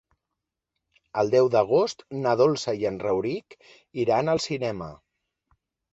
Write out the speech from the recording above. El deu d'agost na Dolça i en Rauric iran al cinema.